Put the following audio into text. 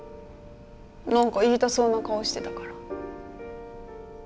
何か言いたそうな顔してたから。